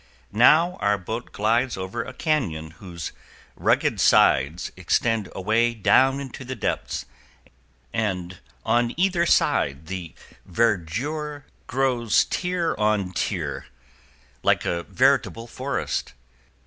Now our boat glides over a cañon whose rugged sides extend away down into the depths, and on either side the verdure grows tier on tier, like a veritable forest.